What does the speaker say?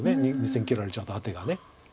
２線切られちゃうとアテが。